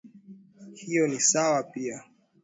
Hiyo ni sawa pia.